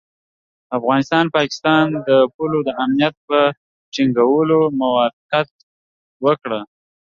افغانستان او پاکستان د پولو د امنیت په ټینګولو موافقه وکړه.